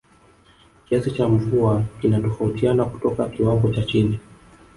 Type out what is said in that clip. Kiasi cha mvua kinatofautiana kutoka kiwango cha chini